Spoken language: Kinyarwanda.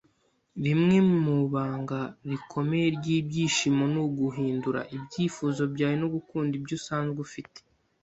Rimwe mu banga rikomeye ryibyishimo ni uguhindura ibyifuzo byawe no gukunda ibyo usanzwe ufite